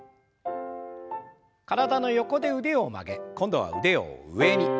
体の横で腕を曲げ今度は腕を上に。